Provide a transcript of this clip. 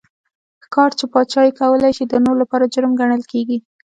ښکار چې پاچا یې کولای شي د نورو لپاره جرم ګڼل کېږي.